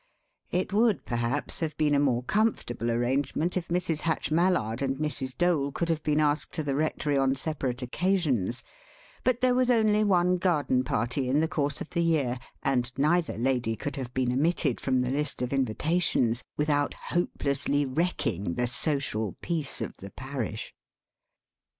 It would, perhaps, have been a more comfortable arrangement if Mrs. Hatch Mallard and Mrs. Dole could have been asked to the Rectory on separate occasions, but there was only one garden party in the course of the year, and neither lady could have been omitted from the list of invitations without hopelessly wrecking the social peace of the parish.